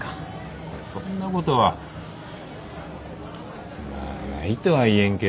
そんなことはまあないとは言えんけど。